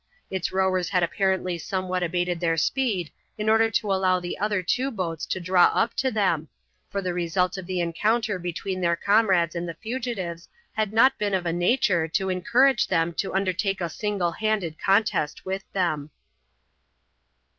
Its rowers had apparently somewhat abated their speed in order to allow the other two boats to draw up to them, for the result of the encounter between their comrades and the fugitives had not been of a nature to encourage them to undertake a single handed contest with them.